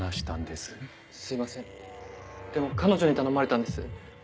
でも彼女に頼まれたんです。